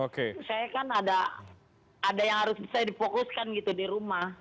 oke saya kan ada ada yang harus saya di fokuskan gitu di rumah